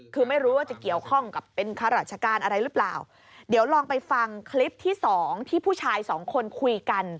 คือไม่รู้ว่าจะเกี่ยวข้องกับเป็นข้าราชการอะไรหรือเปล่า